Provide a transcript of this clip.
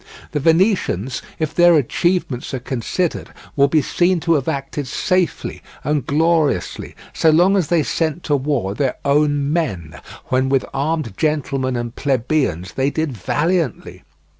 The Venetians, if their achievements are considered, will be seen to have acted safely and gloriously so long as they sent to war their own men, when with armed gentlemen and plebians they did valiantly.